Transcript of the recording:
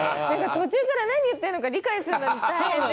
途中から何言ってんのか理解するのに大変で。